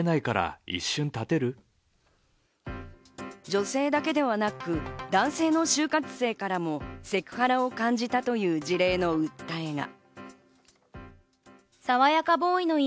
女性だけではなく男性の就活生からもセクハラを感じたという事例の訴えが。